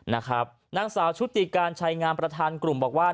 นางสาวชุติการชัยงามประธานกลุ่มบอกว่า